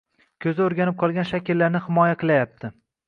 ko‘zi o‘rganib qolgan shakllarni himoya qilayapti